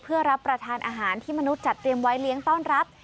เพื่อรับประทานอาหารที่มนุษย์จัดเตรียมไว้เลี้ยงต้อนรับ